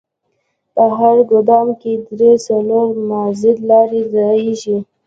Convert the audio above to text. په هر ګودام کښې درې څلور مازدا لارۍ ځايېږي.